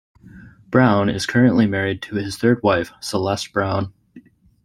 Brown is currently married to his third wife, Celeste Brown.